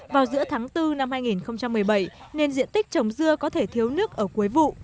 vào giữa tháng bốn năm hai nghìn một mươi bảy nên diện tích trồng dưa có thể thiếu nước ở cuối vụ